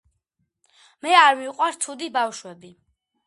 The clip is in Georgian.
მე არ მიყვარს ცუდი ბავშვები